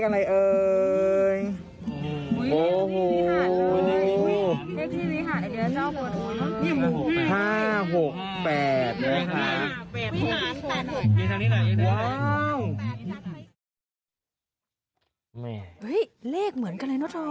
เห้ยเลขเหมือนกันเลยเนาะทอ